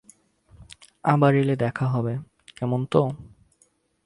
-আবার এলে দেখা হবে, কেমন তো?